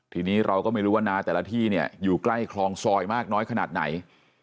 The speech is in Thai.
ทีนี้เราก็ไม่รู้ว่านาแต่ละที่เนี่ยอยู่ใกล้คลองซอยมากน้อยขนาดไหน